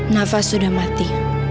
nafa sudah mati